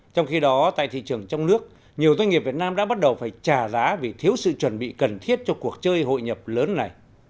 trong khi đó tại thị trường trong nước nhiều doanh nghiệp việt nam đã bắt đầu phải trả giá vì thiếu sự chuẩn bị cần thiết cho cuộc chơi hội nhập lớn này